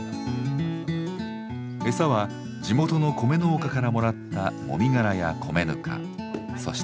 餌は地元の米農家からもらったもみ殻や米ぬかそして稲わらです。